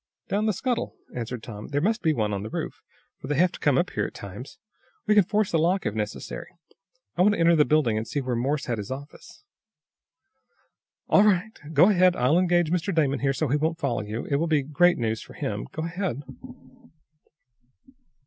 "Down the scuttle," answered Tom. "There must be one on the roof, for they have to come up here at times. We can force the lock, if necessary. I want to enter the building and see where Morse had his office." "All right. Go ahead. I'll engage Mr. Damon here so he won't follow you. It will be great news for him. Go ahead."